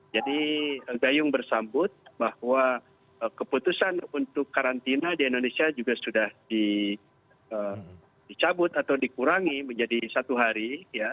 jadi gayung bersambut bahwa keputusan untuk karantina di indonesia juga sudah dicabut atau dikurangi menjadi satu hari ya